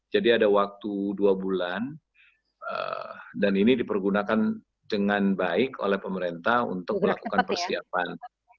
jadi ada waktu dua bulan dan ini dipergunakan dengan baik oleh pemerintah untuk melakukan persiapan